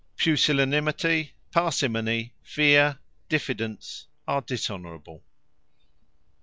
Pusillanimity, Parsimony, Fear, Diffidence, are Dishonourable.